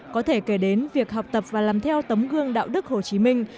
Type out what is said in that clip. có thể kể đến việc học tập và làm theo tấm gương đạo đức hồ chí minh